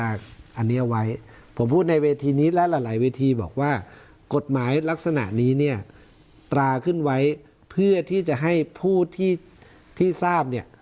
อันนี้เอาไว้ผมพูดในเวทีนี้และหลายเวทีบอกว่ากฎหมายลักษณะนี้เนี่ยตราขึ้นไว้เพื่อที่จะให้ผู้ที่ทราบเนี่ย